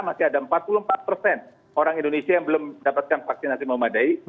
masih ada empat puluh empat persen orang indonesia yang belum mendapatkan vaksinasi memadai